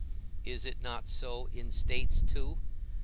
Is it not so in states too?